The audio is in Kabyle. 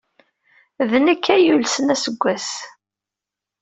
D nekk ay yulsen aseggas.